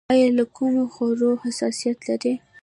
ایا له کومو خوړو حساسیت لرئ؟